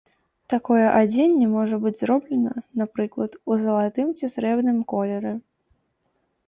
Такое адзенне можа быць зроблена, напрыклад, у залатым ці срэбным колеры.